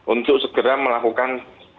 untuk segera melakukan